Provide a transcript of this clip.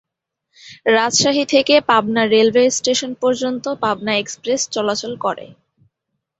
রাজশাহী থেকে Pabna railway station পর্যন্ত Pabna express চলাচল করে।